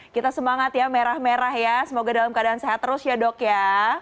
kita semangat ya merah merah ya semoga dalam keadaan sehat terus ya dok ya